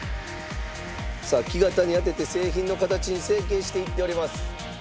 さあ木型に当てて製品の形に成型していっております。